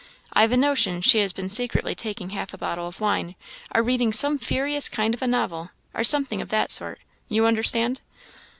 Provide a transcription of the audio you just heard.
I've a notion she has been secretly taking half a bottle of wine, or reading some furious kind of a novel, or something of that sort you understand?